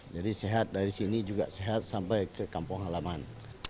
jadi sehat dari sini juga sehat sampai ke kampung halaman